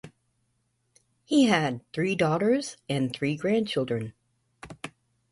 He had three daughters and three grandchildren.